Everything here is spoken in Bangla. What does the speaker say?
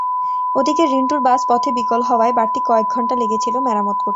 ওদিকে রিন্টুর বাস পথে বিকল হওয়ায় বাড়তি কয়েক ঘণ্টা লেগেছিল মেরামত করতে।